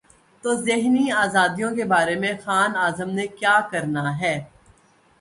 تو ذہنی آزادیوں کے بارے میں خان اعظم نے کیا کرنا ہے۔